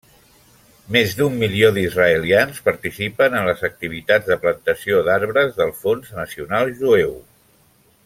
Més d'un milió d'Israelians participen en les activitats de plantació d'arbres del Fons Nacional Jueu.